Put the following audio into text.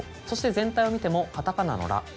そして全体を見てもカタカナの「ラ」。